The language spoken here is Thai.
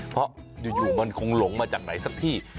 เพราะอยู่มันคงหลงมาจากไหนสักที่